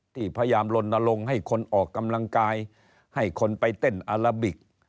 ที่พยายามลนลงให้คนออกกำลังกายให้คนไปเต้นอาราบิก